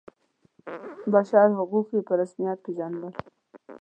بشر حقونه په رسمیت پيژني.